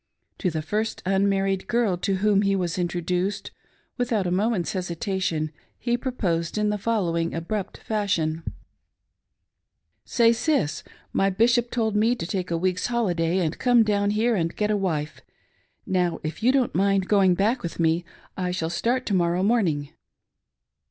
To the first unmarried girl to whom he was introduced, without a moment's hesitation he proposed in |he following abrupt fashion :" Say, sis ! My bishop told me to take a week's holiday, and Gome down here and get a wife. Now, if you don't mind going back with me, I shall start to morrow morning."